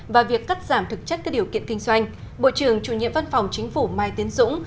và việc cắt giảm thực chất các điều kiện kinh doanh bộ trưởng chủ nhiệm văn phòng chính phủ mai tiến dũng